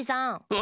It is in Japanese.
あ！